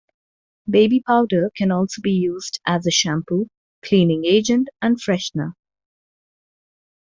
Baby powder can also be used as a shampoo, cleaning agent, and freshener.